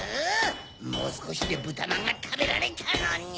もうすこしでぶたまんがたべられたのに！